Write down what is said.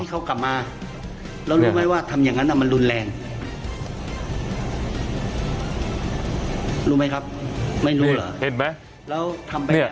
รู้ไหมครับไม่รู้เห็นไหม